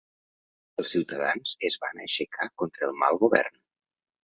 Els ciutadans es van aixecar contra el mal govern.